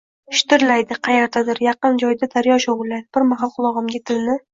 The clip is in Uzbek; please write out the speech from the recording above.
shitirlaydi. Qayerdadir, yaqin joyda daryo shovullaydi. Bir mahal qulog'imga dilni